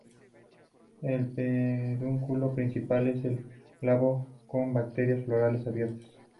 El pedúnculo principal es glabro con brácteas florales abiertas.